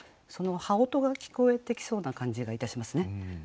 その羽音が聞こえてきそうな感じがいたしますね。